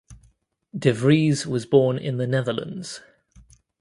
De Vries was born in The Netherlands.